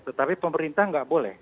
tetapi pemerintah nggak boleh